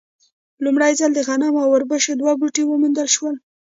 لومړی ځل د غنمو او اوربشو دوه بوټي وموندل شول.